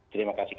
terima kasih pak